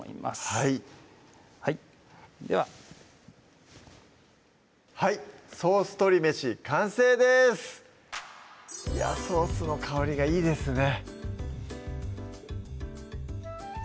はいはいでははい「ソース鶏めし」完成ですいやソースの香りがいいですね